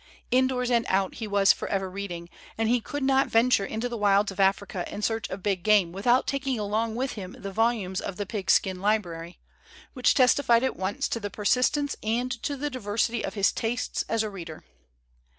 Indoors and out he was forever reading; and he could not venture into the wilds of Africa in search of big game without taking along with him the volumes of the Pigskin Library, which testified at once to the persistence and to the diversity of his tastes as a reader.